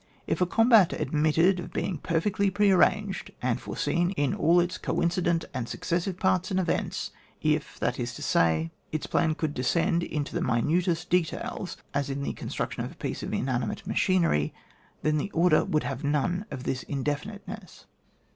If a combat admitted of being perfectly pre arranged and foreseen in all its coincident and successive parts and events if, that is to say, its plan could de scend into the minutest details, as in the construction of a piece of inanimate ma chinery, then the order would have none of this indefiniteness.